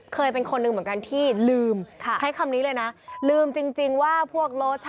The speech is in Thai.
เคยเป็นคนหนึ่งเหมือนกันที่ลืมใช้คำนี้เลยนะลืมจริงจริงว่าพวกรถ